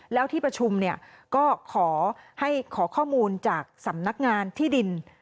แล้วที่ประชุมก็ขอให้ขอข้อมูลจากสำนักงานที่ดิน